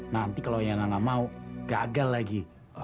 nanti kalau yana gak mau gagal lagi